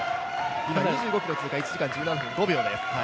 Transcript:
今、２５ｋｍを通過１時間１７分４５秒です。